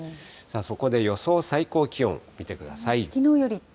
そこで予想最高気温、見てください。